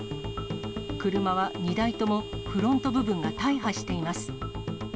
車は２台ともフロント部分が大破しています。